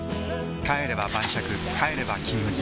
帰れば晩酌帰れば「金麦」